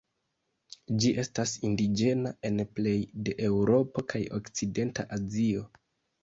Ĝi estas indiĝena en plej de Eŭropo kaj okcidenta Azio.